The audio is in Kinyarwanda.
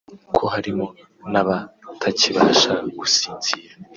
ko harimo n’abatakibasha gusinzira